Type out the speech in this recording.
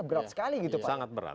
berat sekali gitu sangat berat